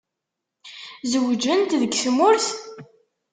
Zewǧent deg tmurt?